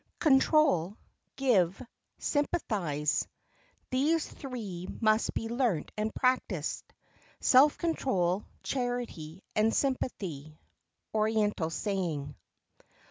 "Control, give, sympathise: these three must be learnt and practised: self control, charity, and sympathy." _Oriental Saying.